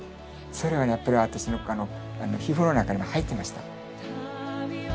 それはやっぱり私の皮膚の中にも入ってました。